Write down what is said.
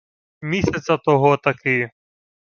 Місяця того-таки